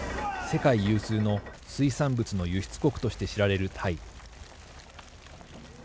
世界有数の水産物の輸出国として知られるタイ。